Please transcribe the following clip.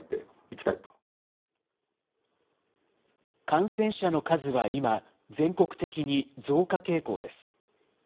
感染者の数は今、全国的に増加傾向です。